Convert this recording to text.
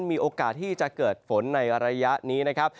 มีโอกาสที่จะเกิดฝนในระยะนี้นะครับ